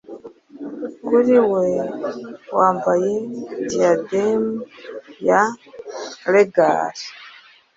Kuri we wambaye Diadem ya Regal,